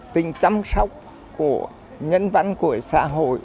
tình chăm sóc của nhân văn của xã hội